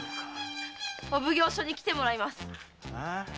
お奉行所に来てもらいます！